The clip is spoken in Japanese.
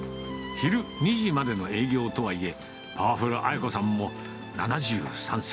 昼２時までの営業とはいえ、パワフルあや子さんも７３歳。